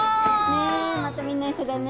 ねえまたみんな一緒だね。